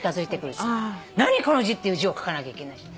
何この字っていう字を書かなきゃいけない。